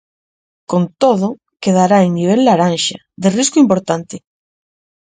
Con todo, quedará en nivel laranxa, de risco importante.